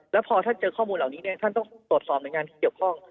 แล้วพอท่านเจอข้อมูลเหล่านี้ท่านต้องตรวจสอบหน่วยงานที่เกี่ยวข้อง